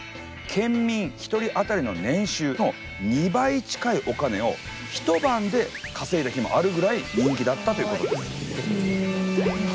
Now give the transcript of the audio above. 県民１人あたりの年収の２倍近いお金を１晩で稼いだ日もあるぐらい人気だったということです。